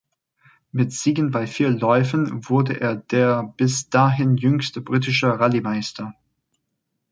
Mit Siegen bei vier Läufen wurde er der bis dahin jüngste britische Rallye-Meister.